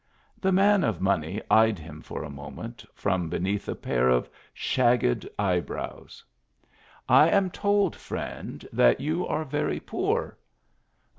The man of money eyed him for a moment, from beneath a pair of shagged eyebrows. " J am told, friend, that you are very poor."